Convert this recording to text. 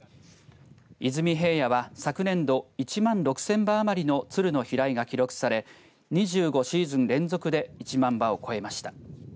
出水平野は昨年度１万６０００羽余りの鶴の飛来が記録され２５シーズン連続で１万羽を超えました。